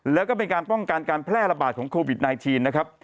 แล้วก็เป็นการป้องกันการแพร่ระบาดของโควิด๑๙นะครับ